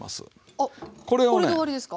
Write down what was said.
あっこれで終わりですか？